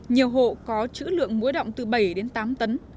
nhiều hộ có chữ lượng muối động từ bảy đến tám tấn